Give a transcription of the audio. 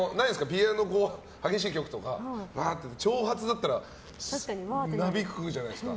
ピアノ、激しい曲とかわーってなって長髪だったらなびくじゃないですか。